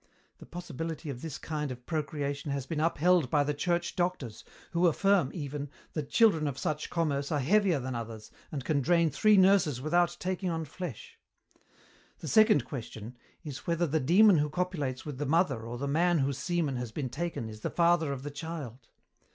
The possibility of this kind of procreation has been upheld by the Church doctors, who affirm, even, that children of such commerce are heavier than others and can drain three nurses without taking on flesh. The second question is whether the demon who copulates with the mother or the man whose semen has been taken is the father of the child.